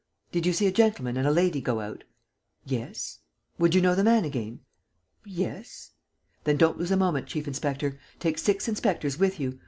"Did you see a gentleman and a lady go out?" "Yes." "Would you know the man again?" "Yes." "Then don't lose a moment, chief inspector. Take six inspectors with you.